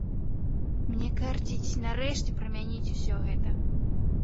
Мне карціць нарэшце прымяніць ўсё гэта!